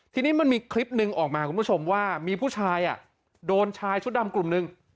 ทีนี้มันมีคลิปหนึ่งออกมาคุณผู้ชมว่ามีผู้ชายโดนชายชุดดำกลุ่มหนึ่ง